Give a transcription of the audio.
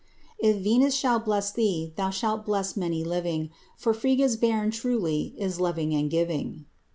If Venus shall bless thee, Thou shalt bless many living; For Friga's bairn truly Is loving and giving.